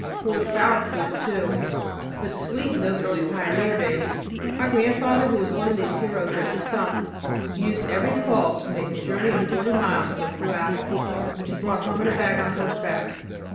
Poor, sour fruit, too, but sweet in those early pioneer days. My grandfather, who was one of these heroes of the stump, used every fall to make a journey of forty miles for a few apples, which he brought home in a bag on horseback.